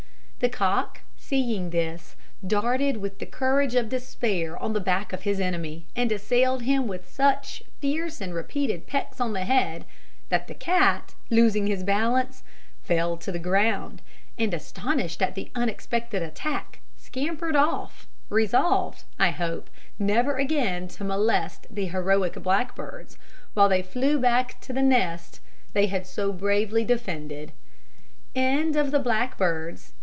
The cock, seeing this, darted with the courage of despair on the back of his enemy, and assailed him with such fierce and repeated pecks on the head, that the cat, losing his balance, fell to the ground, and, astonished at the unexpected attack, scampered off, resolved, I hope, never again to molest the heroic blackbirds; while they flew back to the nest they had so bravely defended.